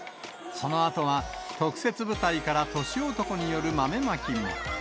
そのあとは、特設舞台から年男による豆まきも。